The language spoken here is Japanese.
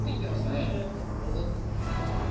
やっぱこれだったんだ。